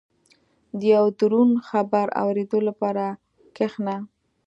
• د یو دروند خبر اورېدو لپاره کښېنه.